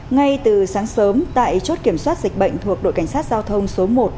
ngay từ sáng sớm tại chốt kiểm soát dịch bệnh thuộc đội cảnh sát giao thông số một